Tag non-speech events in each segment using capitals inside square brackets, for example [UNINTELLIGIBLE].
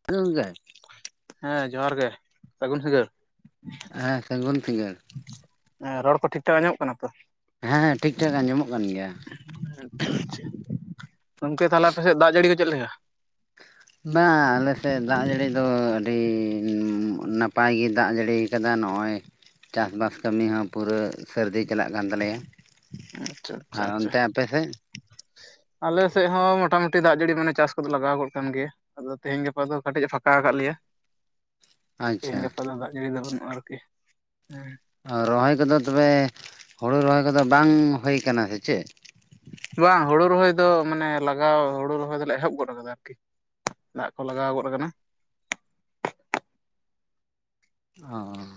[UNINTELLIGIBLE] ᱦᱮᱸ ᱡᱚᱦᱟᱨ ᱜᱮ ᱥᱟᱹᱜᱩᱱ ᱥᱤᱸᱜᱟᱹᱲ᱾ ᱦᱮᱸ ᱥᱟᱹᱜᱩᱱ ᱥᱤᱸᱜᱟᱹᱲ᱾ ᱮ ᱨᱚᱲ ᱠᱚ ᱴᱷᱤᱠᱴᱷᱟᱠ ᱟᱡᱚᱢᱚᱜ ᱠᱟᱱᱟ ᱛᱚ? ᱦᱮᱸ ᱦᱮᱸ ᱴᱷᱤᱠ ᱴᱷᱟᱠ ᱟᱸᱡᱚᱢᱚᱜ ᱠᱟᱱ ᱜᱮᱭᱟ᱾ ᱟᱪᱪᱷᱟ ᱟᱪᱪᱷᱟ ᱜᱚᱝᱠᱮ ᱛᱟᱞᱦᱮ ᱟᱯᱮ ᱥᱮᱫ ᱫᱟᱜ ᱡᱟᱹᱲᱤ ᱠᱚ ᱪᱮᱫ ᱞᱮᱠᱟ? ᱵᱟᱝ ᱟᱞᱮᱥᱮᱫ ᱫᱟᱜ ᱡᱟᱹᱲᱤ ᱫᱚ ᱟᱹᱰᱤ ᱱᱟᱯᱟᱭ ᱜᱮ ᱫᱟᱜ ᱡᱟᱹᱲᱤ ᱠᱟᱫᱟ ᱱᱚᱜᱼᱚᱭ ᱪᱟᱥᱵᱟᱥ ᱠᱟᱹᱢᱤ ᱦᱚᱸ ᱯᱩᱨᱟᱹ ᱥᱟᱹᱨᱫᱤ ᱪᱟᱞᱟᱜ ᱠᱟᱱ ᱛᱟᱞᱮᱭᱟ᱾ ᱟᱪᱪᱷᱟ ᱟᱪᱪᱷᱟ ᱟᱨ ᱟᱪᱪᱷᱟ᱾ ᱚᱱᱛᱮ ᱟᱯᱮ ᱥᱮᱫ ᱟᱞᱮ ᱥᱮᱫ ᱦᱚᱸ ᱢᱚᱴᱟᱢᱩᱴᱤ ᱫᱟᱜ ᱡᱟᱹᱲᱤ ᱢᱟᱱᱮ ᱪᱟᱥ ᱠᱚᱫᱚ ᱞᱟᱜᱟᱣ ᱜᱚᱫ ᱠᱟᱱ ᱜᱮᱭᱟ᱾ ᱟᱫᱚ ᱛᱮᱦᱮᱧ ᱜᱟᱯᱟ ᱫᱚ ᱠᱟᱹᱴᱤᱡ-ᱮ ᱯᱷᱟᱠᱟ ᱟᱠᱟᱫ ᱞᱮᱭᱟ᱾ ᱛᱮᱦᱮᱧ ᱟᱪᱪᱷᱟ ᱜᱟᱯᱟ ᱫᱚ ᱫᱟᱜ ᱡᱟᱹᱲᱤ ᱫᱚ ᱵᱟᱹᱱᱩᱜᱼᱟ ᱟᱨᱠᱤ ᱨᱚᱦᱚᱭ ᱠᱚᱫᱚ ᱛᱚᱵᱮ ᱦᱩᱲᱩ ᱨᱚᱦᱚᱭ ᱠᱚᱫᱚ ᱵᱟᱝ ᱦᱩᱭ ᱠᱟᱱᱟ ᱥᱮ ᱪᱮᱫ? ᱵᱟᱝ ᱦᱩᱲᱩ ᱨᱚᱦᱚᱭ ᱫᱚ ᱢᱟᱱᱮ ᱞᱟᱜᱟᱣ ᱦᱩᱲᱩ ᱨᱚᱦᱚᱭ ᱫᱚᱞᱮ ᱮᱦᱚᱵ ᱜᱚᱫ ᱟᱠᱟᱫᱟ ᱟᱨᱠᱤ ᱫᱟᱜ ᱠᱚ ᱞᱟᱜᱟᱣ ᱜᱚᱫ ᱟᱠᱟᱱᱟ᱾ ᱦᱚᱭ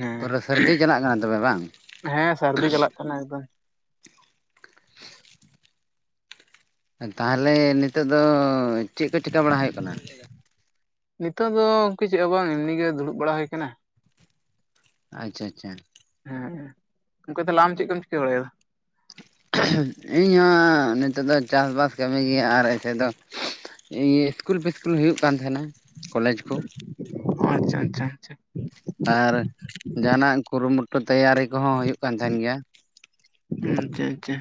ᱦᱮᱸ ᱯᱩᱨᱟᱹ ᱥᱟᱹᱨᱫᱤ ᱪᱟᱞᱟᱜ ᱠᱟᱱᱟ ᱛᱚᱵᱮ ᱵᱟᱝ? ᱦᱮᱸ [UNINTELLIGIBLE] ᱛᱟᱦᱞᱮ ᱱᱤᱛᱚᱜ ᱫᱚ ᱪᱮᱫ ᱠᱚ ᱪᱤᱠᱟ ᱵᱟᱲᱟ ᱦᱩᱭᱩᱜ ᱠᱟᱱᱟ? ᱱᱤᱛᱚᱜ ᱫᱚ ᱤᱱᱠᱟᱹ ᱪᱮᱫ ᱦᱚᱸ ᱵᱟᱝ ᱮᱢᱱᱤ ᱜᱮ ᱫᱩᱲᱩᱵ ᱵᱟᱲᱟ ᱦᱩᱭᱠᱟᱱᱟ᱾ ᱟᱪᱪᱷᱟ ᱟᱪᱪᱷᱟ᱾ ᱦᱮᱸ ᱜᱚᱝᱠᱮ ᱛᱟᱦᱚᱞᱮ ᱪᱮᱫ ᱠᱚᱢ ᱪᱤᱠᱟᱹ ᱵᱟᱲᱟᱭ ᱫᱟ? ᱤᱧᱦᱚᱸ ᱱᱤᱛᱚᱜ ᱫᱚ ᱪᱟᱥᱼᱵᱟᱥ ᱠᱟᱹᱢᱤ ᱜᱮ ᱟᱨ ᱮᱥᱮ ᱫᱚ᱾ ᱤᱭᱮ ᱤᱥᱠᱩᱞ ᱯᱷᱤᱥᱠᱩᱞ ᱦᱩᱭᱩᱜ ᱠᱟᱱ ᱛᱟᱦᱮᱱᱟ ᱠᱚᱞᱮᱡᱽ ᱠᱚ᱾ ᱟᱪᱪᱷᱟ ᱟᱪᱪᱷᱟ ᱟᱪᱪᱷᱟ᱾ ᱟᱨ ᱡᱟᱦᱟᱱᱟᱜ ᱠᱩᱨᱩᱢᱩᱴᱩ ᱛᱭᱭᱟᱨᱤ ᱠᱚᱦᱚᱸ ᱦᱩᱭᱩᱜ ᱠᱟᱱ ᱛᱟᱦᱮᱱ ᱜᱮᱭᱟ᱾ ᱟᱪᱪᱷᱟ ᱟᱪᱪᱷᱟ᱾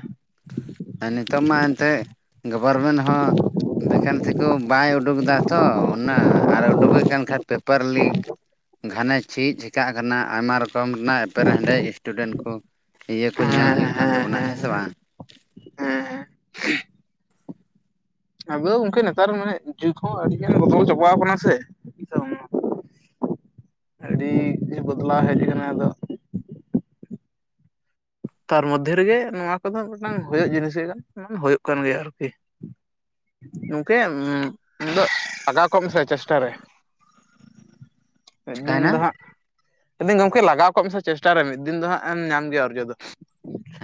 ᱟᱨ ᱱᱤᱛᱚᱜ ᱢᱟ ᱮᱱᱛᱮᱫ ᱜᱚᱵᱚᱨᱢᱮᱱ ᱦᱚᱸ ᱵᱷ ᱮᱠᱮᱱᱥᱤ ᱠᱚ ᱵᱟᱭ ᱩᱰᱩᱠ ᱫᱟ ᱛᱚ ᱩᱱᱟᱹᱜ ᱟᱨ ᱩᱰᱩᱠᱮᱫ ᱠᱷᱟᱱ ᱯᱮᱯᱟᱨ ᱞᱤᱠ᱾ ᱜᱷᱟᱱᱮ ᱪᱮᱜ ᱪᱤᱠᱟᱹᱜ ᱠᱟᱱᱟ ᱟᱭᱢᱟ ᱨᱚᱠᱚᱢ ᱨᱮᱱᱟᱜ ᱮᱯᱮᱨᱦᱮᱸᱰᱮᱡ ᱤᱥᱴᱩᱰᱮᱱᱴ ᱠᱚ᱾ ᱤᱭᱟᱹ ᱠᱚ ᱧᱮᱞ ᱦᱩᱭᱩᱜ ᱠᱟᱱ ᱛᱟᱵᱚᱱᱟ ᱦᱮᱸ ᱥᱮ ᱵᱟᱝ? ᱦᱮᱸ ᱟᱵᱚ ᱫᱚ ᱜᱚᱝᱠᱮ ᱱᱮᱛᱟᱨ ᱢᱟᱱᱮ ᱡᱩᱜ ᱦᱚᱸ ᱟᱹᱰᱤ ᱜᱟᱱ ᱵᱚᱫᱚᱞ ᱪᱟᱵᱟᱣ ᱟᱠᱟᱱᱟ ᱥᱮ ᱾ [INAUDIBLE] ᱟᱹᱰᱤ ᱵᱚᱫᱞᱟᱣ ᱦᱮᱡ ᱟᱠᱟᱱᱟ ᱟᱫᱚ ᱾ ᱛᱟᱨ ᱢᱚᱫᱽᱫᱷᱮ ᱨᱮᱜᱮ ᱱᱚᱣᱟ ᱠᱚᱫᱚ ᱢᱤᱫᱴᱟᱝ ᱦᱳᱭᱳᱜ ᱡᱤᱱᱤᱥ ᱜᱮ [INAUDIBLE] ᱦᱳᱭᱳᱜ ᱠᱟᱱ ᱜᱮᱭᱟ ᱟᱨᱠᱤ ᱾ ᱜᱚᱢᱠᱮ ᱟᱫᱚ ᱞᱟᱜᱟᱣ ᱠᱚᱜ ᱢᱮᱥᱮ ᱪᱮᱥᱴᱟ ᱨᱮ ᱾ ᱢᱤᱫᱫᱤᱱ ᱪᱤᱠᱟᱭᱱᱟ ᱫᱚ ᱦᱟᱸᱜ ᱾ ᱞᱟᱹᱭ ᱫᱟᱹᱧ ᱜᱚᱢᱠᱮ ᱞᱟᱜᱟᱣ ᱠᱚᱜ ᱢᱮ ᱥᱮ ᱪᱮᱥᱴᱟ ᱨᱮ ᱢᱤᱫ ᱫᱤᱱ ᱫᱚ ᱦᱟᱸᱜ ᱮᱢ ᱧᱟᱢ ᱜᱮᱭᱟ ᱚᱨᱡᱚ ᱫᱚ ᱾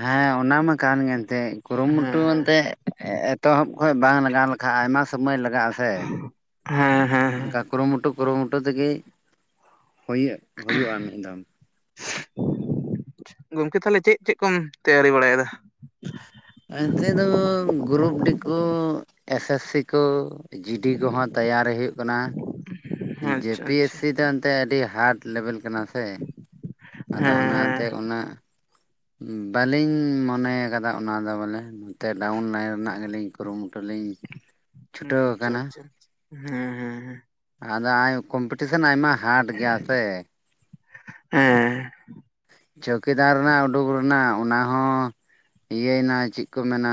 ᱦᱮᱸ ᱚᱱᱟ ᱢᱟ ᱠᱟᱱ ᱜᱮ ᱮᱱᱛᱮᱫ ᱦᱮᱸ ᱠᱩᱨᱩᱢᱩᱴᱩ ᱦᱮᱸ ᱮᱱᱛᱮᱫ ᱮᱼᱮᱛᱚᱦᱚᱵ ᱾ ᱦᱳᱭ ᱵᱟᱝ ᱞᱟᱜᱟᱣ ᱞᱮᱠᱷᱟ ᱟᱭᱢᱟ ᱥᱚᱢᱚᱭ ᱞᱟᱜᱟᱜᱼᱟ ᱥᱮ ᱦᱮᱸ ᱦᱮᱸ ᱚᱱᱠᱟ ᱾ ᱠᱩᱨᱩᱢᱩᱴᱩ ᱠᱩᱨᱩᱢᱩᱴᱩ ᱛᱮᱜᱮ ᱦᱩᱭᱩᱜᱼᱟ ᱢᱤᱫ ᱫᱚᱢ ᱾ ᱜᱚᱝᱠᱮ ᱛᱟᱦᱚᱞᱮ ᱪᱮᱫ ᱪᱮᱫ ᱠᱚᱢ ᱛᱮᱭᱟᱨᱤ ᱵᱟᱲᱟᱭ ᱫᱟ? ᱮᱱᱛᱮ ᱫᱚ ᱜᱨᱩᱯᱼᱰᱤ ᱠᱚ ᱾ ᱮᱥ ᱮᱥ ᱥᱤ ᱠᱚ ᱡᱤ ᱰᱤ ᱠᱚᱦᱚᱸ ᱛᱮᱭᱟᱨᱤ ᱦᱩᱭᱩᱜ ᱠᱟᱱᱟ ᱾ ᱡᱮ ᱟᱪᱪᱷᱟ ᱯᱤ ᱮᱥ ᱟᱪᱪᱷᱟ ᱥᱤ ᱫᱚ ᱮᱱᱛᱮ ᱟᱹᱰᱤ ᱦᱟᱨᱰ ᱞᱮᱵᱮᱞ ᱠᱟᱱᱟ ᱥᱮ ᱾ ᱟᱫᱚ ᱦᱮᱸ ᱚᱱᱟᱛᱮ ᱩᱱᱟᱹᱜ ᱵᱟᱹᱞᱤᱧᱻ ᱢᱚᱱᱮ ᱟᱠᱟᱫᱟ ᱚᱱᱟ ᱫᱚ ᱵᱚᱞᱮ ᱾ ᱛᱮ ᱰᱟᱣᱩᱱ ᱞᱟᱭᱤᱱ ᱨᱮᱱᱟᱜ ᱜᱮᱞᱤᱧ ᱠᱩᱨᱩᱢᱩᱴᱩ ᱞᱤᱧ ᱾ ᱟᱪᱪᱷᱟ ᱟᱪᱪᱷᱟ ᱦᱮᱸ ᱦᱮᱸ ᱦᱮᱸ ᱾ ᱟᱫᱚ ᱟᱭ ᱠᱚᱢᱯᱤᱴᱤᱥᱮᱱ ᱟᱭᱢᱟ ᱦᱟᱨᱰ ᱜᱮᱭᱟ ᱥᱮ ᱾ ᱦᱮᱸ ᱾ ᱪᱳᱣᱠᱤᱫᱟᱨ ᱨᱮᱱᱟᱜ ᱩᱰᱩᱠ ᱨᱮᱱᱟᱜ ᱚᱱᱟ ᱦᱚᱸ ᱤᱭᱟᱹᱭᱱᱟ ᱪᱮ ᱾ ᱠᱚ ᱢᱮᱱᱟᱻ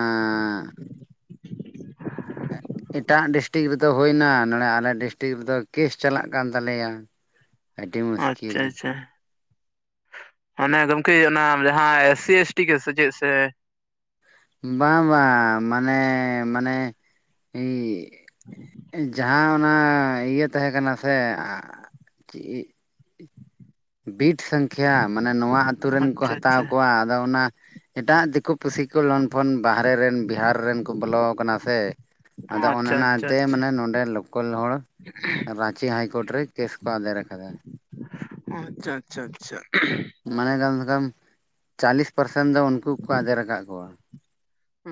ᱦᱮᱸ [INAUDIBLE] ᱮᱴᱟᱜ ᱰᱤᱥᱴᱤᱠ ᱨᱮᱫᱚ ᱦᱳᱭᱱᱟ ᱱᱚᱸᱲᱮ ᱟᱞᱮ ᱰᱤᱥᱴᱤᱠ ᱨᱮᱫᱚ ᱠᱮᱥ ᱪᱟᱞᱟᱜ ᱠᱟᱱ ᱛᱟᱞᱮᱭᱟ ᱾ ᱟᱹᱰᱤ ᱟᱪᱪᱷᱟ ᱢᱩᱥᱠᱤᱞ ᱾ ᱟᱪᱪᱷᱟ ᱚᱱᱮ ᱜᱚᱢᱠᱮ ᱚᱱᱟ ᱡᱟᱦᱟᱸ S C, S T case ᱥᱮ ᱪᱮᱫ ᱥᱮ? ᱵᱟᱝ ᱵᱟᱝ ᱢᱟᱱᱮ ᱢᱟᱱᱮ ᱡᱟᱦᱟᱸ ᱚᱱᱟ ᱤᱭᱟᱹ ᱛᱟᱦᱮᱸ ᱠᱟᱱᱟ ᱥᱮ ᱟᱻ ᱵᱤᱴ ᱥᱚᱝᱠᱷᱟ ᱢᱟᱱᱮ ᱱᱚᱣᱟ ᱟᱛᱩ ᱨᱮᱱ ᱠᱚ ᱟᱪᱪᱷᱟ ᱦᱟᱛᱟᱣ ᱟᱪᱪᱷᱟ ᱠᱚᱣᱟ, ᱟᱫᱚ ᱚᱱᱟ ᱮᱴᱟᱜ ᱫᱤᱠᱩ ᱯᱩᱥᱤ ᱾ ᱥᱩᱞᱚᱢᱯᱷᱚᱱ ᱵᱟᱨᱦᱮ ᱨᱮᱱ ᱵᱤᱦᱟᱨ ᱨᱮᱱ ᱠᱚ ᱵᱚᱞᱚ ᱠᱟᱱᱟ ᱥᱮ ᱾ ᱟᱫᱚ ᱚᱱᱮ ᱟᱪᱪᱷᱟ ᱟᱪᱪᱷᱟ ᱚᱱᱟᱛᱮ ᱢᱟᱱᱮ ᱱᱚᱸᱰᱮ ᱞᱳᱠᱳᱞ ᱦᱚᱲ ᱨᱟᱸᱪᱤ ᱦᱟᱭᱠᱳᱨᱴ ᱨᱮ ᱠᱮᱥ ᱠᱚ ᱟᱫᱮᱨ ᱟᱠᱟᱫᱟ ᱾ ᱚᱻ ᱟᱪᱪᱷᱟ ᱟᱪᱪᱷᱟ ᱟᱪᱪᱷᱟ ᱾ ᱢᱟᱱᱮ ᱠᱟᱢ ᱮᱠᱫᱚᱢ ᱪᱟᱞᱞᱤᱥ ᱯᱟᱨᱥᱮᱱ ᱫᱚ ᱩᱱᱠᱩ ᱜᱮᱠᱚ ᱟᱫᱮᱨ ᱟᱠᱟᱫ ᱠᱚᱣᱟ ᱾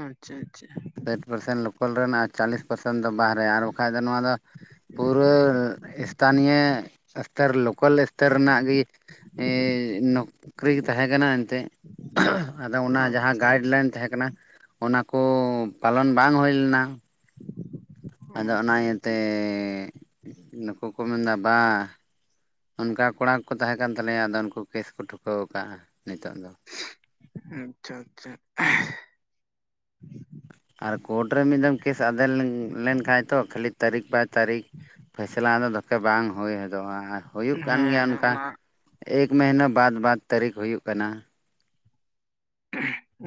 ᱟᱪᱪᱷᱟ ᱟᱪᱪᱷᱟ ᱾ ᱥᱟᱴ ᱯᱟᱨᱥᱮᱱᱴ ᱞᱳᱠᱟᱞ ᱨᱮᱱ ᱟᱨ ᱪᱚᱞᱞᱤᱥ ᱯᱟᱨᱥᱮᱱ ᱫᱚ ᱵᱟᱦᱮᱨᱮ ᱟᱨ ᱵᱟᱠᱷᱟᱡ ᱫᱚ ᱱᱚᱣᱟ ᱫᱚ ᱯᱩᱨᱟᱹ ᱮᱥᱛᱷᱟᱱᱤᱭᱟᱹ ᱚᱥᱛᱚᱨ ᱞᱳᱠᱟᱞ ᱚᱥᱛᱚᱨ ᱨᱮᱱᱟᱜ ᱜᱮ ᱱᱚᱠᱨᱤ ᱛᱟᱦᱮᱸ ᱠᱟᱱᱟ ᱮᱱᱛᱮᱫ ᱟᱫᱚ ᱚᱱᱟ ᱟᱪᱪᱷᱟ ᱟᱪᱪᱷᱟ ᱡᱟᱦᱟᱸ ᱟᱪᱪᱷᱟ ᱜᱟᱭᱤᱰᱞᱟᱭᱤᱱ ᱛᱟᱦᱮᱸ ᱠᱟᱱᱟ ᱚᱱᱟᱠᱳ ᱯᱟᱞᱚᱱ ᱵᱟᱝ ᱦᱩᱭ ᱞᱮᱱᱟ ᱾ ᱟᱫᱚ ᱚᱱᱟ ᱟᱪᱪᱷᱟ ᱤᱭᱟᱹᱛᱮ ᱱᱩᱠᱩ ᱠᱚ ᱢᱮᱱᱫᱟ ᱵᱟᱝ ᱾ ᱚᱱᱠᱟ ᱠᱚᱲᱟ ᱠᱚᱠᱚ ᱛᱟᱦᱮᱸ ᱠᱟᱱ ᱛᱟᱞᱮᱭᱟ ᱟᱫᱚ ᱩᱱᱠᱩ ᱠᱮᱥ ᱠᱚ ᱴᱷᱩᱠᱟᱹᱣ ᱠᱟᱫᱼᱟ ᱱᱤᱛᱚᱜ ᱫᱚ ᱾ ᱟᱪᱪᱷᱟ ᱟᱪᱪᱷᱟ ᱟᱨ ᱠᱳᱨᱴ ᱨᱮ ᱢᱤᱫ ᱫᱚᱢ ᱠᱮᱥ ᱟᱫᱮᱨ ᱞᱮᱱᱠᱷᱟᱱ ᱛᱚ ᱠᱷᱟᱹᱞᱤ ᱛᱟᱹᱨᱤᱠᱷ ᱵᱟᱭ ᱛᱟᱹᱨᱤᱠᱷ ᱯᱷᱮᱥᱞᱟ ᱫᱚ ᱫᱚᱠᱷᱮ ᱵᱟᱝ ᱦᱩᱭ ᱦᱚᱫᱚᱜᱼᱟ ᱟᱨ ᱦᱩᱭᱩᱜ ᱦᱮᱸ ᱠᱟᱱ ᱜᱮᱭᱟ ᱦᱮᱸ ᱚᱱᱠᱟ ᱚᱱᱟ ᱾ ᱮᱠ ᱢᱟᱹᱦᱤᱱᱟᱹ ᱵᱟᱫᱽ ᱵᱟᱫᱽ ᱛᱟᱹᱨᱤᱠᱷ ᱦᱩᱭᱩᱜ ᱠᱟᱱᱟ ᱾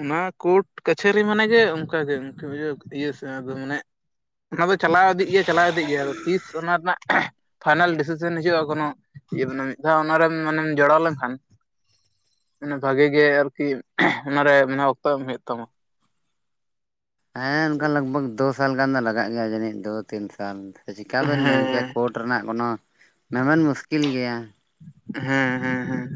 ᱚᱱᱟ ᱠᱳᱨᱴ ᱠᱟᱪᱷᱟᱹᱨᱤ ᱢᱟᱱᱮ ᱜᱮ ᱚᱱᱠᱟ ᱜᱮ ᱵᱩᱡᱷᱟᱹᱣ ᱤᱭᱟᱹ ᱥᱮ ᱫᱚ ᱢᱟᱱᱮ ᱚᱱᱟ ᱫᱚ ᱪᱟᱞᱟᱣ ᱤᱫᱤᱜ ᱜᱮ ᱪᱟᱞᱟᱣ ᱤᱫᱤᱜ ᱜᱮᱭᱟ ᱾ ᱟᱫᱚ ᱛᱤᱥ ᱚᱱᱟ ᱨᱮᱱᱟᱜ ᱯᱷᱟᱭᱱᱟᱞ ᱰᱤᱥᱤᱥᱮᱱ ᱦᱤᱡᱩᱜᱼᱟ ᱠᱳᱱᱳ ᱤᱭᱟᱹ ᱢᱟᱱᱮ ᱢᱤᱫ ᱫᱷᱟᱣ ᱚᱱᱟᱨᱮᱢ ᱢᱟᱱᱮᱢ ᱡᱚᱲᱟᱣ ᱞᱮᱱᱠᱷᱟᱱ ᱢᱟᱱᱮ ᱵᱷᱟᱹᱜᱤ ᱜᱮ ᱟᱨᱠᱤ ᱚᱱᱟᱨᱮ ᱢᱮ ᱚᱠᱛᱚ ᱮᱢ ᱦᱩᱭᱩᱜ ᱛᱟᱢᱟ ᱦᱮᱸ ᱥᱮ ᱚᱱᱠᱟ ᱞᱟᱜᱽᱵᱷᱟᱜ ᱫᱚ ᱥᱟᱞ ᱜᱟᱱ ᱫᱚ ᱞᱟᱜᱟᱜ ᱜᱮᱭᱟ ᱡᱟᱹᱱᱤᱡ ᱫᱚ ᱛᱤᱱ ᱥᱟᱞ ᱪᱮᱠᱟ ᱵᱮᱱ ᱢᱮᱱ ᱠᱮᱭᱟ ᱦᱮᱸ ᱠᱳᱴ ᱨᱮᱱᱟᱜ ᱠᱳᱱᱚ ᱢᱮᱢᱮᱱ ᱢᱩᱥᱠᱤᱞ ᱜᱮᱭᱟ ᱦᱮᱸ ᱦᱮᱸ ᱦᱮᱸ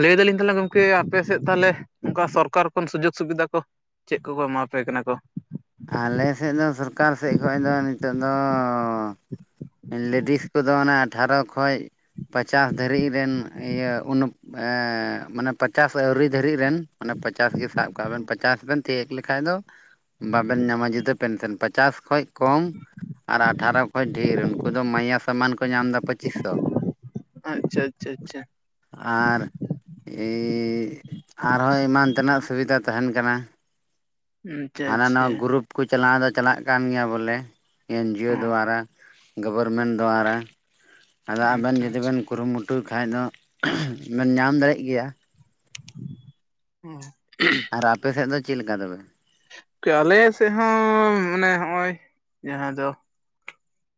ᱞᱟᱹᱭ ᱫᱟᱞᱤᱧ ᱛᱟᱦᱚᱞᱮ ᱜᱚᱢᱠᱮ ᱟᱯᱮ ᱥᱮᱫ ᱛᱟᱦᱚᱞᱮ ᱚᱱᱠᱟ ᱥᱚᱨᱠᱟᱨ ᱠᱷᱚᱱ ᱥᱩᱡᱳᱜᱽ ᱥᱩᱵᱤᱫᱷᱟ ᱠᱚ ᱪᱮᱫ ᱠᱚᱠᱚ ᱮᱢᱟ ᱯᱮ ᱠᱟᱱᱟ ᱠᱚ ᱟᱞᱮ ᱥᱮᱫ ᱫᱚ ᱥᱚᱨᱠᱟᱨ ᱥᱮᱫ ᱠᱷᱚᱡ ᱫᱚ ᱱᱤᱛᱚᱜ ᱫᱚ ᱞᱮᱰᱤᱥ ᱠᱚᱫᱚ ᱚᱱᱟ ᱟᱴᱷᱟᱨᱚ ᱠᱷᱚᱡ ᱯᱟᱪᱟᱥ ᱫᱷᱟᱹᱨᱤᱡ ᱨᱮᱱ ᱤᱭᱟᱹ ᱢᱟᱱᱮ ᱯᱚᱪᱟᱥ ᱟᱹᱣᱨᱤ ᱫᱷᱟᱹᱨᱤᱡ ᱨᱮᱱ ᱢᱟᱱᱮ ᱯᱚᱪᱟᱥ ᱜᱮ ᱥᱟᱵ ᱠᱟᱜ ᱵᱮᱱ ᱯᱚᱪᱟᱥ ᱵᱮᱱ ᱛᱤᱭᱳᱜ ᱞᱮᱠᱷᱟᱡ ᱫᱚ ᱵᱟᱵᱮᱱ ᱧᱟᱢᱟ ᱡᱩᱫᱟᱹ ᱯᱮᱱᱥᱮᱱ ᱯᱚᱪᱟᱥ ᱠᱷᱚᱡ ᱠᱚᱢ ᱟᱨ ᱟᱴᱷᱟᱨᱚ ᱠᱷᱚᱡ ᱰᱷᱮᱨ ᱩᱱᱠᱩ ᱫᱚ ᱢᱟᱭᱭᱟ ᱥᱟᱢᱟᱱ ᱠᱚ ᱧᱟᱢ ᱮᱫᱟ ᱯᱚᱸᱪᱤᱥ ᱥᱚ ᱟᱪᱪᱷᱟ ᱟᱪᱪᱷᱟ ᱟᱪᱪᱷᱟ ᱟᱨ ᱮ ᱟᱨᱦᱚᱸ ᱮᱢᱟᱱ ᱛᱮᱱᱟᱜ ᱥᱩᱵᱤᱫᱟ ᱛᱟᱦᱮᱱ ᱠᱟᱱᱟ ᱦᱟᱱᱟ ᱱᱟᱣᱟ ᱟᱪᱪᱷᱟ ᱜᱨᱩᱯ ᱠᱚ ᱪᱟᱞᱟᱣ ᱫᱚ ᱪᱟᱞᱟᱜ ᱠᱟᱱ ᱜᱮᱭᱟ ᱵᱚᱞᱮ ᱮᱱᱡᱤᱭᱳ ᱦᱚᱸ ᱫᱚᱣᱟᱨᱟ ᱜᱚᱵᱚᱨᱢᱮᱱᱴ ᱫᱚᱣᱟᱨᱟ ᱟᱫᱚ ᱟᱵᱮᱱ ᱟᱪᱪᱷᱟ ᱡᱩᱫᱤ ᱟᱪᱪᱷᱟ ᱵᱮᱱ ᱠᱩᱨᱩᱢᱩᱴᱩᱭ ᱠᱷᱟᱡ ᱫᱚ ᱧᱟᱢ ᱫᱟᱲᱮᱜ ᱜᱮᱭᱟ [INAUDIBLE] ᱟᱨ ᱟᱯᱮᱥᱮᱫ ᱫᱚ ᱪᱮᱫ ᱞᱮᱠᱟ ᱛᱚᱵᱮ ᱟᱞᱮ ᱥᱮᱫ ᱦᱚᱸ ᱢᱟᱱᱮ ᱦᱚᱜᱼᱚᱭ ᱡᱟᱦᱟᱸ ᱫᱚ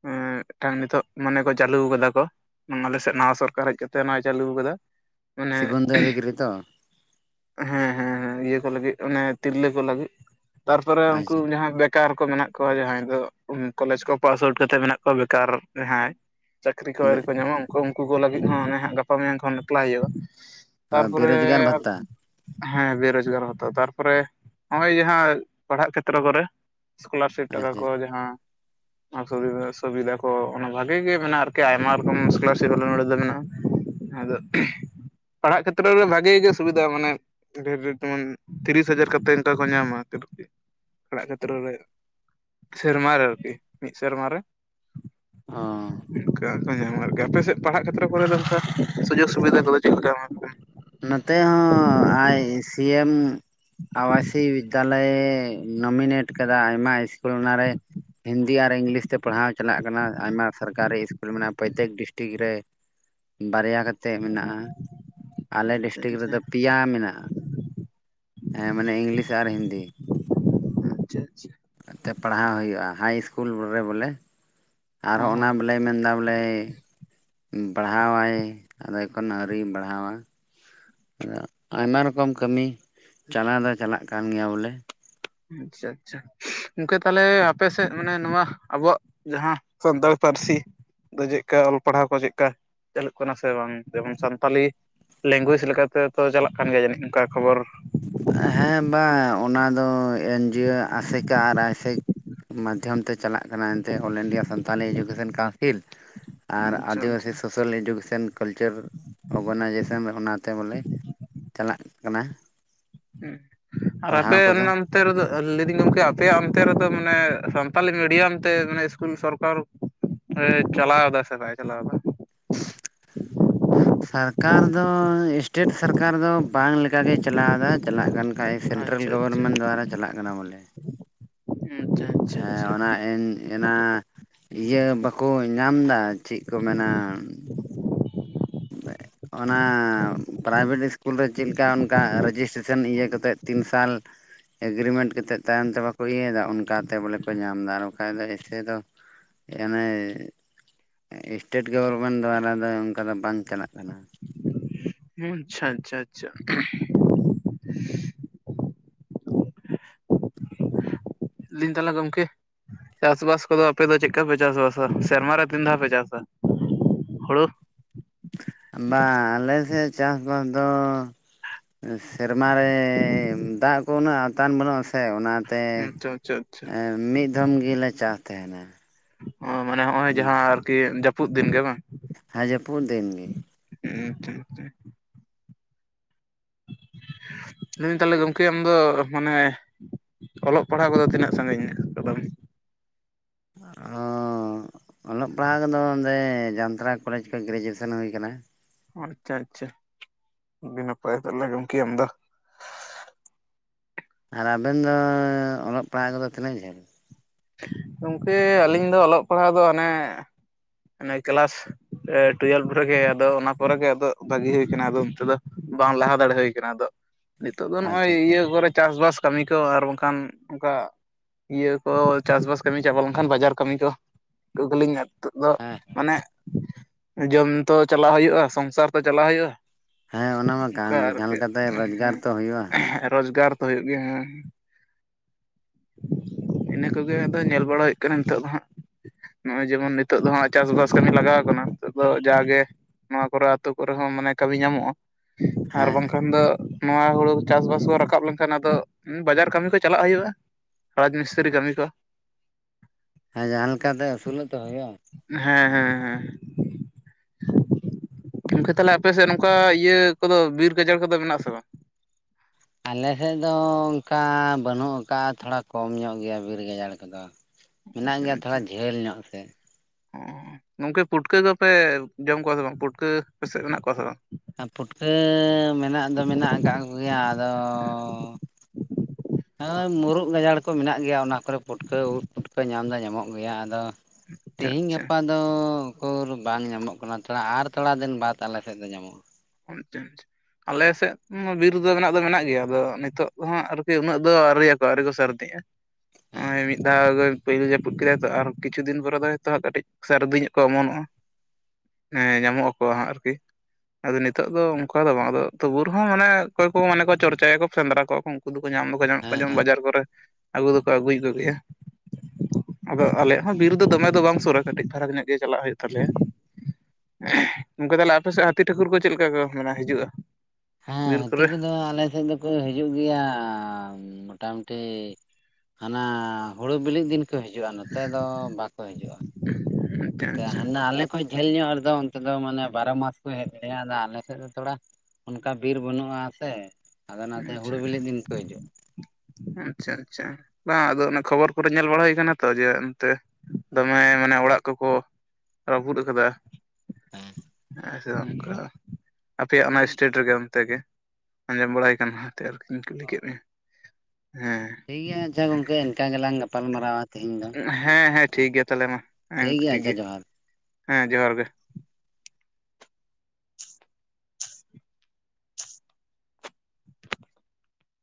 ᱮᱸ ᱢᱤᱫᱴᱟᱝ ᱱᱤᱛᱚᱜ ᱢᱟᱱᱮ ᱠᱚ ᱪᱟᱹᱞᱩ ᱠᱟᱫᱟ ᱠᱚ ᱟᱞᱮ ᱥᱮᱫ ᱱᱟᱣᱟ ᱥᱚᱨᱠᱟᱨ ᱦᱮᱡ ᱠᱟᱛᱮᱜ ᱱᱚᱜ ᱚᱭ ᱪᱟᱹᱞᱩ ᱠᱟᱫᱟ ᱢᱟᱱᱮ ᱥᱤᱵᱚᱱᱫᱚ ᱚᱫᱷᱤᱠᱟᱨᱤ ᱛᱚ ᱦᱮᱸ ᱦᱮᱸ ᱦᱮᱸ ᱤᱭᱟᱹ ᱠᱚ ᱞᱟᱹᱜᱤᱫ ᱚᱱᱮ ᱛᱤᱨᱞᱟᱹ ᱠᱚ ᱞᱟᱹᱜᱤᱫ ᱛᱟᱨᱯᱚᱨᱮ ᱩᱱᱠᱩ ᱟᱪᱪᱷᱟ ᱡᱟᱦᱟᱸᱭ ᱵᱮᱠᱟᱨ ᱠᱚ ᱢᱮᱱᱟᱜ ᱠᱚᱣᱟ ᱡᱟᱦᱟᱸᱭ ᱫᱚ ᱠᱚᱞᱮᱡᱽ ᱠᱚ ᱯᱟᱥ ᱟᱣᱩᱴ ᱠᱟᱛᱮ ᱢᱮᱱᱟᱜ ᱠᱚᱣᱟ ᱵᱮᱠᱟᱨ ᱡᱟᱦᱟᱸᱭ ᱪᱟᱹᱠᱨᱤ ᱠᱚ ᱟᱣᱨᱤ ᱠᱚ ᱧᱟᱢᱟ ᱩᱱᱠᱩ ᱠᱚ ᱞᱟᱹᱜᱤᱫ ᱦᱚᱸ ᱚᱱᱮ ᱦᱟᱸᱜ ᱜᱟᱯᱟ ᱢᱮᱭᱟᱝ ᱠᱷᱚᱱ ᱮᱯᱞᱟᱭ ᱦᱩᱭᱩᱜᱼᱟ ᱛᱟᱨᱯᱚᱨᱮ ᱵᱮᱨᱳᱡᱽᱜᱟᱨ ᱵᱷᱟᱛᱟ ᱦᱮᱸ ᱵᱮᱨᱚᱡᱽᱜᱟᱨ ᱵᱷᱟᱛᱟ ᱛᱟᱨᱯᱚᱨᱮ ᱱᱚᱜᱼᱚᱭ ᱡᱟᱦᱟᱸ ᱯᱟᱲᱦᱟᱜ ᱠᱷᱮᱛᱨᱚ ᱠᱚᱨᱮ ᱥᱠᱚᱞᱟᱨᱥᱤᱯ ᱴᱟᱠᱟ ᱟᱪᱪᱷᱟ ᱠᱚ ᱡᱟᱦᱟᱸ ᱚᱱᱟ ᱥᱩᱵᱤᱫᱷᱟ ᱥᱩᱵᱤᱫᱷᱟ ᱠᱚ ᱚᱱᱟ ᱵᱷᱟᱜᱮ ᱜᱮ ᱢᱮᱱᱟᱜᱼᱟ ᱟᱨᱠᱤ ᱟᱭᱢᱟ ᱨᱚᱠᱚᱢ ᱥᱠᱚᱞᱟᱨᱥᱤᱯ ᱢᱟᱱᱮ ᱱᱚᱰᱮ ᱫᱚ ᱢᱮᱱᱟᱜᱼᱟ ᱟᱫᱚ ᱯᱟᱲᱦᱟᱜ ᱠᱷᱮᱛᱨᱮ ᱨᱮ ᱵᱷᱟᱜᱮ ᱜᱮ ᱥᱩᱵᱤᱫᱷᱟ ᱢᱟᱱᱮ ᱰᱷᱮᱨ ᱡᱮᱢᱚᱱ ᱛᱤᱨᱤᱥ ᱦᱟᱡᱟᱨ ᱠᱟᱛᱮᱫ ᱚᱱᱠᱟ ᱠᱚ ᱧᱟᱢᱟ [UNINTELLIGIBLE] ᱠᱷᱮᱛᱨᱚ ᱨᱮ ᱥᱮᱨᱢᱟ ᱨᱮ ᱟᱨᱠᱤ ᱢᱤᱫ ᱥᱮᱨᱢᱟ ᱨᱮ ᱚ ᱚᱱᱠᱟ ᱧᱟᱢᱟ ᱟᱨᱠᱤ ᱟᱯᱮ ᱥᱮᱫ ᱯᱟᱲᱟᱜ ᱠᱷᱮᱛᱨᱨᱮ ᱠᱚᱨᱮ ᱫᱚ ᱚᱱᱠᱟ ᱥᱩᱡᱳᱜᱽ ᱥᱩᱵᱤᱫᱷᱟ ᱠᱚᱫᱚ ᱪᱮᱫ ᱠᱚ ᱮᱢ ᱱᱚᱛᱮ ᱦᱚ ᱟᱭ ᱥᱤ ᱮᱢ ᱟᱣᱟᱥᱤ ᱵᱤᱫᱽᱫᱟᱞᱚᱭ ᱱᱚᱢᱤᱱᱮᱴ ᱠᱟᱫᱟ ᱟᱭᱢᱟ ᱤᱥᱠᱩᱞ ᱚᱱᱟᱨᱮ ᱦᱤᱱ ᱦᱤᱱᱫᱤ ᱟᱨ ᱤᱝᱞᱤᱥ ᱛᱮ ᱯᱟᱲᱦᱟᱣ ᱪᱟᱞᱟᱜ ᱠᱟᱱᱟ ᱟᱭᱢᱟ ᱥᱚᱨᱠᱟᱨᱤ ᱤᱥᱠᱩᱞ ᱢᱮᱱᱟᱜ-ᱟ ᱯᱨᱚᱛᱛᱮᱠ ᱰᱤᱥᱴᱤᱠ ᱨᱮ ᱵᱟᱨᱭᱟ ᱠᱟᱛᱮᱫ ᱢᱮᱱᱟᱜ-ᱟ ᱟᱞᱮ ᱟᱪᱪᱷᱟ ᱰᱤᱥᱴᱤᱠ ᱟᱪᱪᱷᱟ ᱨᱮᱫᱚ ᱯᱮᱭᱟ ᱢᱮᱱᱟᱜ-ᱟ ᱦᱮ ᱢᱟᱱᱮ ᱤᱝᱞᱤᱥ ᱟᱨ ᱦᱤᱱᱫᱤ ᱟᱪᱪᱷᱟ ᱟᱪᱪᱷᱟ ᱛᱮ ᱯᱟᱲᱦᱟᱣ ᱦᱩᱭᱩᱜᱼᱟ ᱦᱟᱭ ᱤᱥᱠᱩᱞ ᱨᱮ ᱵᱚᱞᱮ ᱟᱨᱦᱚᱸ ᱚ ᱚᱱᱟ ᱵᱚᱞᱮ ᱢᱮᱱᱫᱟ ᱵᱚᱞᱮ ᱯᱟᱲᱦᱟᱣᱟᱭ ᱟᱫᱚ ᱮᱠᱷᱚᱱ ᱟᱹᱣᱨᱤᱭ ᱯᱟᱲᱦᱟᱣᱟ ᱟᱭᱢᱟ ᱨᱚᱠᱚᱢ ᱠᱟᱹᱢᱤ ᱪᱟᱞᱟᱣ ᱫᱚ ᱪᱟᱞᱟᱜ ᱠᱟᱱ ᱜᱮᱭᱟ ᱵᱚᱞᱮ ᱟᱪᱪᱷᱟ ᱟᱪᱪᱷᱟ ᱜᱚᱢᱠᱮ ᱛᱟᱦᱞᱮ ᱟᱯᱮ ᱥᱮᱫ ᱢᱟᱱᱮ ᱱᱚᱣᱟ ᱟᱵᱚᱣᱟᱜ ᱡᱟᱦᱟᱸ ᱥᱟᱱᱛᱟᱲ ᱯᱟᱹᱨᱥᱤ ᱫᱚ ᱪᱮᱫᱠᱟ ᱚᱞ ᱯᱟᱲᱦᱟᱣ ᱠᱚ ᱪᱮᱫᱞᱮᱠᱟ ᱪᱟᱹᱞᱩᱜ ᱠᱟᱱᱟ ᱥᱮ ᱵᱟᱝ ᱡᱮᱢᱚᱱ ᱥᱟᱱᱛᱟᱞᱤ ᱞᱮᱝᱜᱩᱭᱮᱡᱽ ᱞᱮᱠᱟ ᱞᱮᱠᱟᱛᱮ ᱛᱚ ᱪᱟᱞᱟᱜ ᱠᱟᱱ ᱜᱮᱭᱟ ᱡᱟᱹᱱᱤᱡ ᱚᱱᱠᱟ ᱠᱷᱚᱵᱚᱨ ᱦᱮ ᱵᱟᱝ ᱚᱱᱟᱫᱚ ᱮᱱᱡᱤᱭᱳ ᱟᱥᱮᱠᱟ ᱟᱨ ᱟᱥᱮᱠ ᱢᱟ ᱚᱱᱛᱮ ᱪᱟᱞᱟᱜ ᱠᱟᱱᱟ ᱮᱱᱛᱮ all India Santali education council ᱟᱨ ᱟᱪᱪᱷᱟ ᱟᱹᱫᱤᱵᱟᱹᱥᱤ ᱟᱪᱪᱷᱟ ᱥᱳᱥᱟᱞ ᱮᱰᱩᱠᱮᱥᱚᱱ ᱠᱟᱞᱪᱟᱨ ᱚᱨᱜᱟᱱᱟᱭᱡᱮᱥᱚᱱ ᱚᱱᱟᱛᱮ ᱵᱚᱞᱮ ᱪᱟᱞᱟᱜ ᱠᱟᱱᱟ ᱦᱩ ᱟᱨ ᱟᱯᱮ ᱯᱟᱲᱦᱟᱣ ᱠᱚᱫᱚ ᱚᱱᱟ ᱚᱱᱛᱮ ᱨᱮᱫᱚ ᱞᱟᱹᱭᱫᱟᱹᱧ ᱜᱚᱢᱠᱮ ᱟᱯᱮᱭᱟᱜ ᱚᱱᱛᱮ ᱨᱮᱫᱚ ᱢᱟᱱᱮ ᱥᱟᱱᱛᱟᱞᱤ ᱢᱤᱰᱤᱭᱟᱢ ᱛᱮ ᱢᱟᱱᱮ ᱤᱥᱠᱩᱞ ᱥᱚᱨᱠᱟᱨ ᱦᱳᱭ ᱪᱟᱞᱟᱣ ᱮᱫᱟ ᱥᱮ ᱵᱟᱭ ᱪᱟᱞᱟᱣ ᱮᱫᱟ ᱥᱟᱨᱠᱟᱨ ᱫᱚ ᱥᱴᱮᱴ ᱥᱟᱨᱠᱟᱨ ᱫᱚ ᱵᱟᱝ ᱞᱮᱠᱟᱜᱮ ᱪᱟᱞᱟᱣᱮᱫᱟ ᱪᱟᱞᱟᱜ ᱠᱟᱱᱟ ᱵᱟᱠᱷᱟᱡ ᱥᱮᱱᱴᱨᱟᱞ ᱟᱪᱪᱷᱟ ᱟᱪᱪᱷᱟ ᱜᱚᱵᱚᱨᱢᱮᱱᱴ ᱫᱟᱨᱟᱭ ᱪᱟᱞᱟᱜ ᱠᱟᱱᱟ ᱵᱚᱞᱮ ᱟᱪᱪᱷᱟ ᱟᱪᱪᱷᱟ ᱦᱮᱸ ᱟᱪᱪᱷᱟ ᱚᱱᱟ ᱮᱱ ᱮᱱᱟ ᱤᱭᱟᱹ ᱵᱟᱠᱚ ᱧᱟᱢ ᱮᱫᱟ ᱪᱮᱫ ᱠᱚ ᱢᱮᱱᱟ [UNINTELLIGIBLE] ᱚᱱᱟ ᱯᱨᱟᱭᱵᱷᱮᱴ ᱤᱥᱠᱩᱞ ᱨᱮ ᱪᱮᱫ ᱞᱮᱠᱟ ᱚᱱᱠᱟ ᱨᱮᱡᱤᱥᱴᱨᱮᱥᱚᱱ ᱤᱭᱟᱹ ᱠᱟᱛᱮᱫ ᱛᱤᱱ ᱥᱟᱞ ᱮᱜᱨᱤᱢᱮᱱᱴ ᱠᱟᱛᱮᱫ ᱛᱟᱭᱚᱢ ᱛᱮ ᱵᱟᱠᱚ ᱤᱭᱟᱹᱭᱮᱫᱟ ᱚᱱᱠᱟᱛᱮ ᱵᱚᱞᱮ ᱠᱚ ᱧᱟᱢ ᱮᱫᱟ ᱟᱨ ᱵᱟᱠᱷᱟᱡ ᱫᱚ ᱮᱥᱮ ᱫᱚ ᱮᱱᱮ ᱥᱴᱮᱴ ᱜᱚᱵᱷᱚᱨᱢᱮᱱᱴ ᱫᱟᱨᱟ ᱫᱚ ᱚᱱᱠᱟ ᱫᱚ ᱵᱟᱝ ᱪᱟᱞᱟᱜ ᱠᱟᱱᱟ ᱟᱪᱪᱷᱟ ᱟᱪᱪᱷᱟ ᱟᱪᱪᱷᱟ ᱞᱟᱹᱭ ᱤᱫᱟᱹᱧ ᱛᱟᱷᱞᱮ ᱜᱚᱝᱠᱮ ᱪᱟᱥᱵᱟᱥ ᱠᱚᱫᱚ ᱟᱯᱮ ᱫᱚ ᱪᱮᱫᱠᱟ ᱯᱮ ᱪᱟᱥ ᱥᱮᱨᱢᱟ ᱨᱮ ᱫᱤᱱ ᱫᱷᱟᱣ ᱯᱮ ᱪᱟᱥᱟ ᱦᱩᱲᱩ ᱵᱟᱝ ᱟᱞᱮᱥᱮᱫ ᱪᱟᱥᱵᱟᱥ ᱫᱚ ᱥᱮᱨᱢᱟ ᱨᱮ ᱫᱟᱜ ᱠᱚ ᱩᱱᱟᱹᱜ ᱟᱣᱛᱟᱱ ᱵᱟᱹᱱᱩᱜ-ᱟ ᱥᱮ ᱚᱱᱟ ᱛᱮ ᱟᱪᱪᱷᱟ ᱟᱪᱪᱷᱟ ᱟᱪᱪᱷᱟ ᱢᱤᱫ ᱫᱷᱚᱢ ᱜᱮᱞᱮ ᱪᱟᱥ ᱛᱟᱦᱮᱱᱟ ᱚ ᱢᱟᱱᱮ ᱦᱚᱜ-ᱚᱭ ᱡᱟᱦᱟᱸ ᱟᱨᱠᱤ ᱡᱟᱹᱯᱩᱫ ᱫᱤᱱ ᱜᱮ ᱵᱟᱝ ᱦᱮ ᱡᱟᱹᱯᱩᱫ ᱫᱤᱱ ᱜᱮ ᱦᱮ ᱟᱪᱪᱷᱟ ᱟᱪᱪᱷᱟ ᱞᱟᱹᱭ ᱮᱫᱟᱭ ᱛᱟᱦᱞᱮ ᱜᱚᱢᱠᱮ ᱟᱢ ᱫᱚ ᱢᱟᱱᱮ ᱚᱞᱚᱜ ᱯᱟᱲᱦᱟᱜ ᱠᱚᱫᱚ ᱛᱤᱱᱟᱹᱜ ᱥᱟᱺᱜᱤᱧ ᱠᱟᱫᱟᱢ ᱚ ᱚᱞᱚᱜ ᱯᱟᱲᱦᱟᱜ ᱠᱚᱫᱚ ᱱᱚᱸᱰᱮ ᱡᱟᱱᱛᱲᱟ ᱠᱚᱞᱮᱡᱽ ᱠᱷᱚᱱ ᱜᱨᱮᱡᱩᱭᱮᱥᱚᱱ ᱦᱩᱭ ᱠᱟᱱᱟ ᱟᱪᱪᱷᱟ ᱟᱪᱪᱷᱟ ᱟᱹᱰᱤ ᱱᱟᱯᱟᱭ ᱛᱚᱞᱮ ᱜᱚᱢᱠᱮ ᱟᱢ ᱫᱚ ᱟᱨ ᱟᱵᱤᱱ ᱫᱚ ᱚᱞᱚᱜ ᱯᱟᱲᱦᱟᱜ ᱠᱚᱫᱚ ᱛᱤᱱᱟᱹᱜ ᱡᱷᱟᱹᱞ ᱜᱚᱢᱠᱮ ᱟᱹᱞᱤᱧ ᱫᱚ ᱚᱞᱚᱜ ᱯᱟᱲᱦᱟᱣ ᱫᱚ ᱚᱱᱮ ᱚᱱᱮ ᱠᱮᱞᱟᱥ ᱮ ᱴᱩᱭᱮᱞᱵᱷ ᱨᱮᱜᱮ ᱟᱫᱚ ᱚᱱᱟ ᱯᱚᱨ ᱜᱮ ᱟᱫᱚ ᱵᱟᱜᱤ ᱦᱩᱭ ᱠᱟᱱᱟ ᱟᱫᱚ ᱚᱱᱛᱮ ᱫᱚ ᱵᱟᱝ ᱞᱟᱦᱟ ᱫᱟᱲᱮ ᱦᱩᱭ ᱟᱠᱟᱱᱟ ᱟᱫᱚ [UNINTELLIGIBLE] ᱱᱤᱛᱚᱜ ᱫᱚ ᱱᱚᱜᱼᱚᱭ ᱟᱪᱪᱷᱟ ᱟᱪᱪᱷᱟ ᱤᱭᱟᱹ ᱠᱚᱨᱮ ᱪᱟᱥᱵᱟᱥ ᱠᱟᱹᱢᱤ ᱠᱚ ᱟᱨ ᱵᱟᱝᱠᱷᱟᱱ ᱚᱱᱠᱟ ᱤᱭᱟᱹ ᱠᱚ᱾ ᱪᱟᱥᱵᱟᱥ ᱠᱟᱹᱢᱤ ᱪᱟᱵᱟ ᱞᱮᱱᱠᱷᱟᱱ ᱵᱟᱡᱟᱨ ᱠᱟᱹᱢᱤ ᱠᱚ [UNINTELLIGIBLE] ᱱᱤᱛᱚᱜ ᱫᱚ ᱦᱮᱸ ᱢᱟᱱᱮ᱾ ᱡᱚᱢ ᱛᱚ ᱪᱟᱞᱟᱜ ᱦᱩᱭᱩᱜᱼᱟ ᱥᱚᱝᱥᱟᱨ ᱛᱚ ᱪᱟᱞᱟᱣ ᱦᱩᱭᱩᱜᱼᱟ᱾ ᱦᱮᱸ ᱚᱱᱟ ᱢᱟ ᱠᱟᱱ ᱚᱱᱠᱟ ᱜᱮ ᱡᱟᱦᱟᱸ ᱟᱨᱠᱤ ᱞᱮᱠᱟᱛᱮ ᱨᱳᱡᱽᱜᱟᱨ ᱛᱚ ᱦᱩᱭᱩᱜᱼᱟ ᱦᱮᱸ ᱨᱳᱡᱽᱜᱟᱨ᱾ ᱦᱩᱭᱩᱜ ᱜᱮᱭᱟ ᱦᱟ ᱤᱱᱟᱹ ᱠᱚ᱾ ᱧᱮᱞ ᱵᱟᱲᱟ ᱦᱩᱭᱩᱜ ᱠᱟᱱᱟ ᱱᱤᱛᱚᱜ ᱫᱚ ᱦᱟᱸᱜ᱾ ᱱᱚᱜᱼᱚᱭ ᱡᱮᱢᱚᱱ ᱱᱤᱛᱚᱜ ᱫᱚ ᱦᱟᱜ ᱪᱟᱥᱵᱟᱥ ᱠᱟᱹᱢᱤ ᱞᱟᱜᱟᱣ ᱟᱠᱟᱱᱟ ᱱᱤᱛᱚᱜ ᱫᱚ ᱡᱟᱜᱮ᱾ ᱱᱚᱣᱟ ᱠᱚᱨᱮ ᱟᱹᱛᱩ ᱠᱚᱨᱮ ᱦᱚᱸ ᱢᱟᱱᱮ ᱠᱟᱹᱢᱤ ᱧᱟᱢᱚᱜᱼᱟ ᱟᱨ ᱦᱮᱸ ᱦᱮᱸ ᱵᱟᱝᱠᱷᱟᱱ ᱫᱚ᱾ ᱱᱚᱣᱟ ᱦᱩᱲᱩ ᱪᱟᱥ ᱵᱟᱥ ᱠᱚ ᱨᱟᱠᱟᱵ ᱞᱮᱱᱠᱷᱟᱱ ᱟᱫᱚ ᱵᱟᱡᱟᱨ ᱠᱟᱹᱢᱤ ᱠᱚ ᱪᱟᱞᱟᱜ ᱦᱩᱭᱩᱜᱼᱟ᱾ ᱨᱟᱡ ᱢᱤᱥᱛᱨᱤ ᱠᱟᱹᱢᱤ ᱠᱚ ᱦᱮ ᱡᱟᱦᱟᱸ ᱞᱮᱠᱟᱛᱮ ᱟᱹᱥᱩᱞᱚᱜ ᱛᱚ ᱦᱩᱭᱩᱜ-ᱟ ᱦᱮᱸ ᱦᱮᱸ ᱦᱮᱸ ᱜᱚᱝᱠᱮ ᱛᱟᱦᱞᱮ ᱟᱯᱮ ᱥᱮᱫ ᱱᱚᱝᱠᱟ ᱤᱭᱟᱹ ᱠᱚᱫᱚ ᱵᱤᱨ ᱜᱟᱡᱟᱲ ᱠᱚᱫᱚ ᱢᱮᱱᱟᱜ ᱟ ᱥᱮ ᱵᱟᱝ? ᱟᱞᱮᱥᱮᱫ ᱫᱚ ᱚᱱᱠᱟ ᱵᱟᱹᱱᱩᱜ ᱟᱠᱟᱫᱟ ᱛᱷᱚᱲᱟ ᱠᱚᱢ ᱧᱚᱜ ᱜᱮᱭᱟ ᱵᱤᱨ ᱜᱟᱡᱟᱲ ᱠᱚᱫᱚ᱾ ᱢᱮᱱᱟᱜ ᱜᱮᱭᱟ ᱛᱷᱚᱲᱟ ᱡᱷᱟᱹᱞ ᱧᱚᱜ ᱛᱮ᱾ ᱚᱸ ᱜᱚᱝᱠᱮ ᱯᱩᱴᱠᱟᱹ ᱠᱚᱯᱮ ᱡᱚᱢ ᱠᱚᱣᱟ ᱥᱮ ᱵᱟᱝ ᱯᱩᱴᱠᱟᱹ ᱟᱯᱮᱥᱮᱫ ᱢᱮᱱᱟᱜ ᱠᱚᱣᱟ ᱥᱮ ᱵᱟᱝ? ᱯᱩᱴᱠᱟᱹ ᱢᱮᱱᱟᱜ ᱫᱚ ᱢᱮᱱᱟᱜ ᱟᱠᱟᱫ ᱠᱚᱜᱮᱭᱟ ᱟᱫᱚᱻᱻ ᱾ ᱦᱳᱭ ᱢᱩᱨᱩᱜ ᱜᱟᱡᱟᱲ ᱠᱚ ᱢᱮᱱᱟᱜ ᱜᱮᱭᱟ ᱚᱱᱟ ᱠᱚᱨᱮ ᱯᱩᱴᱠᱟᱹ ᱩᱫ ᱯᱩᱴᱠᱟᱹ ᱧᱟᱢ ᱫᱚ ᱧᱟᱢᱚᱜ ᱜᱮᱭᱟ ᱟᱫᱚ᱾ ᱟᱪᱪᱷᱟ ᱛᱮᱦᱤᱧ ᱟᱪᱪᱷᱟ ᱜᱟᱯᱟ᱾ [INAUDIBLE] ᱫᱚ ᱩᱠᱩᱨ ᱵᱟᱝ ᱧᱟᱢᱚᱜ ᱠᱟᱱᱟ ᱛᱷᱚᱲᱟ ᱟᱨ ᱛᱷᱚᱲᱟ ᱫᱤᱱ ᱵᱟᱫ ᱟᱞᱮ ᱥᱮᱫ ᱫᱚ ᱧᱟᱢᱚᱜᱼᱟ᱾ [INAUDIBLE] ᱟᱞᱮ ᱥᱮᱫ᱾ ᱵᱤᱨ ᱫᱚ ᱢᱮᱱᱟᱜ ᱫᱚ ᱢᱮᱱᱟᱜ ᱜᱮᱭᱟ ᱟᱫᱚ ᱱᱤᱛᱚᱜ ᱫᱚ ᱦᱟᱜ ᱟᱨᱠᱤ ᱩᱱᱟᱹᱜ ᱫᱚ ᱟᱹᱣᱨᱤᱭᱟᱠᱚᱣᱟ ᱟᱹᱣᱨᱤ ᱠᱚ ᱥᱟᱨᱫᱤᱜᱼᱟ᱾ [INAUDIBLE] ᱢᱤᱫ ᱫᱷᱟᱣ᱾ [INAUDIBLE] ᱯᱩᱭᱞᱳ ᱡᱟᱹᱯᱩᱫ ᱠᱮᱫᱟᱭ ᱛᱚ ᱟᱨ ᱠᱤᱪᱷᱩ ᱫᱤᱱ ᱯᱚᱨᱮ ᱫᱚ ᱦᱚᱭᱛᱚ ᱦᱟᱜ ᱠᱟᱹᱴᱤᱡ ᱥᱟᱹᱨᱫᱤ ᱧᱚᱜ ᱠᱚ ᱚᱢᱚᱱᱚᱜᱼᱟ᱾ ᱦᱮ ᱧᱟᱢᱚᱜ ᱟᱠᱚ ᱦᱟᱜ ᱟᱨᱠᱤ᱾ ᱟᱫᱚ ᱱᱤᱛᱚᱜ ᱫᱚ ᱚᱱᱠᱟ ᱫᱚ ᱵᱟᱝ ᱟᱫᱚ ᱛᱚᱵᱩ ᱨᱮ ᱦᱚᱸ ᱢᱟᱱᱮ ᱚᱠᱚᱭ ᱠᱚ ᱢᱟᱱᱮ ᱠᱚ ᱪᱚᱨᱪᱟᱭᱟᱠᱚ ᱥᱮᱸᱫᱽᱨᱟ ᱠᱚᱣᱟ ᱠᱚ ᱩᱱᱠᱩ ᱫᱚᱠᱚ ᱧᱟᱢ᱾ [INAUDIBLE] ᱦᱮᱸ ᱡᱮᱢᱚᱱ ᱦᱮᱸ ᱵᱟᱡᱟᱨ ᱠᱚᱨᱮ ᱟᱹᱜᱩ ᱫᱚᱠᱚ ᱟᱹᱜᱩᱭᱮᱫ ᱠᱚ ᱜᱮᱭᱟ᱾ ᱟᱫᱚ ᱟᱞᱮᱭᱟ ᱦᱚᱸ ᱵᱤᱨ ᱫᱚ ᱫᱚᱢᱮ ᱫᱚ ᱵᱟᱝ ᱥᱩᱨᱟ ᱠᱟᱹᱴᱤᱡ ᱯᱷᱟᱨᱟᱜ ᱧᱚᱜ ᱜᱮ ᱪᱟᱞᱟᱜ ᱦᱩᱭᱩᱜ ᱛᱟᱞᱮᱭᱟ᱾ ᱜᱚᱝᱠᱮ ᱛᱟᱦᱚᱞᱮ ᱟᱯᱮ ᱥᱮᱫ ᱦᱟᱹᱛᱤ ᱴᱷᱟᱹᱠᱩᱨ ᱠᱚ ᱪᱮᱞᱠᱟ ᱠᱚ ᱢᱟᱱᱮ ᱦᱤᱡᱩᱜᱼᱟ? ᱦᱮᱸ ᱵᱤᱨ ᱦᱟᱹᱛᱤ ᱠᱚᱨᱮ ᱠᱚᱫᱚ ᱟᱞᱮ ᱥᱮᱫ ᱫᱚ᱾ ᱦᱤᱡᱩᱜ ᱜᱮᱭᱟ ᱢᱚᱴᱟᱢᱩᱴᱤ ᱦᱟᱱᱟ ᱦᱩᱲᱩ ᱵᱤᱞᱤ ᱫᱤᱱ᱾ ᱦᱤᱡᱩᱜᱼᱟ ᱱᱚᱛᱮ ᱫᱚ ᱵᱟᱠᱚ ᱦᱤᱡᱩᱜᱼᱟ᱾ ᱟᱪᱪᱷᱟ ᱟᱪᱪᱷᱟ ᱦᱟᱱᱟ ᱟᱞᱮ ᱠᱷᱚᱡ ᱡᱷᱟᱹᱞ ᱧᱚᱜ ᱨᱮᱫᱚ ᱚᱱᱛᱮ ᱫᱚ ᱢᱟᱱᱮ ᱵᱟᱨᱚ ᱢᱟᱥ ᱠᱚ ᱦᱮᱡ ᱞᱮᱭᱟ ᱟᱫᱚ ᱟᱞᱮ ᱥᱮᱫ ᱫᱚ ᱛᱷᱚᱲᱟ᱾ ᱚᱱᱠᱟ ᱵᱤᱨ ᱵᱟᱹᱱᱩᱜᱼᱟ ᱥᱮ ᱟᱫᱚ ᱚᱱᱟ ᱛᱮ ᱦᱩᱲᱩ ᱟᱪᱪᱷᱟ ᱵᱤᱞᱤᱜ ᱫᱤᱱ ᱠᱚ ᱦᱤᱡᱩᱜᱼᱟ᱾ ᱟᱪᱪᱷᱟ ᱟᱪᱪᱷᱟ ᱵᱟᱝ ᱟᱫᱚ ᱚᱱᱟ ᱠᱷᱚᱵᱚᱨ ᱠᱚᱨᱮ ᱧᱮᱞ ᱵᱟᱲᱟ ᱦᱩᱭ ᱠᱟᱱᱟ ᱛᱚ ᱡᱮ ᱚᱱᱛᱮ ᱫᱚᱢᱮ ᱢᱟᱱᱮ ᱚᱲᱟᱜ ᱠᱚᱠᱚ᱾ ᱨᱟᱹᱯᱩᱫ ᱟᱠᱟᱫᱟ᱾ ᱦᱩᱸ ᱟᱪᱷᱟ ᱚᱱᱠᱟ ᱟᱯᱮᱭᱟᱜ ᱚᱱᱟ ᱥᱴᱮᱴ ᱨᱮᱜᱮ ᱚᱱᱛᱮᱜᱮ ᱟᱸᱡᱚᱢ ᱵᱟᱲᱟ ᱦᱳᱭ ᱠᱟᱱᱟ᱾ [INAUDIBLE] ᱠᱩᱞᱤ ᱠᱮᱫ ᱢᱮᱭᱟ ᱦᱮᱸ᱾ ᱴᱷᱤᱠ ᱜᱮᱭᱟ ᱟᱪᱷᱟ ᱜᱚᱝᱠᱮ ᱮᱱᱠᱟ ᱜᱮᱞᱟᱝ ᱜᱟᱯᱟᱞᱢᱟᱨᱟᱣᱼᱟ᱾ ᱦᱮᱸ ᱦᱮᱸ ᱴᱷᱤᱠ ᱜᱮᱭᱟ ᱛᱟᱦᱚᱞᱮ ᱢᱟ ᱴᱷᱤᱠ ᱜᱮᱭᱟ ᱦᱮᱸ ᱡᱚᱦᱟᱸᱨ ᱜᱮ᱾